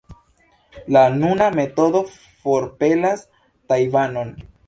La nuna metodo forpelas Tajvanon.